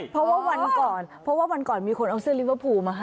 เพราะว่าวันก่อนเพราะว่าวันก่อนมีคนเอาเสื้อลิเวอร์พูลมาให้